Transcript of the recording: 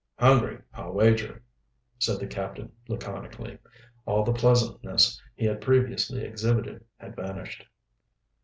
"Hungry, I'll wager," said the captain laconically. All the pleasantness he had previously exhibited had vanished.